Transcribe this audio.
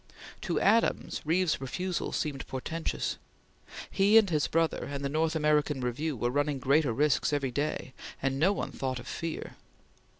To Adams, Reeve's refusal seemed portentous. He and his brother and the North American Review were running greater risks every day, and no one thought of fear.